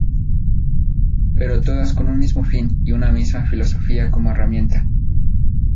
Pero todas con un mismo fin y una misma filosofía como herramienta.